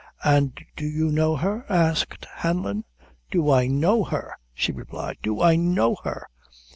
"An' do you know her?" asked Hanlon. "Do I know her!" she replied; "do I know her!